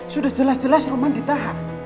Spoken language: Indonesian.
sudah jelas jelas roman ditahan